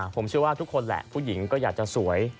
ผมเชื่อว่าทุกคนแหละผู้หญิงก็อยากจะสวย